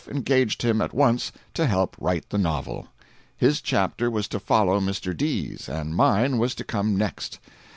engaged him at once to help write the novel. His chapter was to follow Mr. D.'s, and mine was to come next.